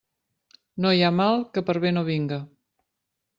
No hi ha mal que per bé no vinga.